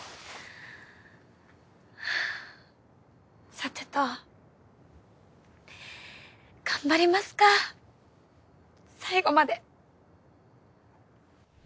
さてと頑張りますか最後まで。